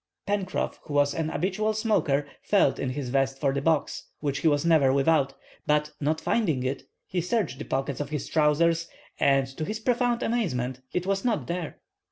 Pencroff, who was an habitual smoker, felt in his vest for the box, which he was never without, but, not finding it, he searched the pockets of his trowsers, and to his profound amazement, it was not there.